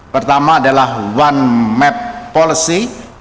pertama adalah one map policy